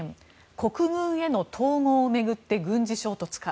国軍への統合を巡って軍事衝突か。